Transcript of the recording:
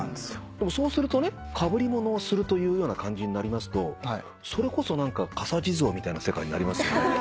そうするとねかぶりものをするというような感じになりますとそれこそかさ地蔵みたいな世界になりますよね。